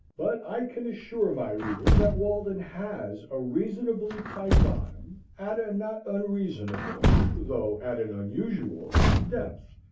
But I can assure my readers that Walden has a reasonably tight bottom at a not unreasonable, though at an unusual, depth.